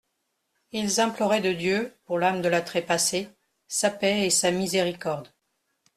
Ils imploraient de Dieu, pour l'âme de la trépassée, sa paix et sa miséricorde.